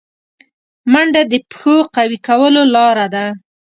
منډه د پښو قوي کولو لاره ده